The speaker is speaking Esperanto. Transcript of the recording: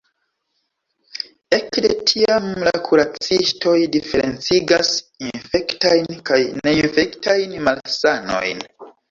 Ekde tiam la kuracistoj diferencigas infektajn kaj neinfektajn malsanojn.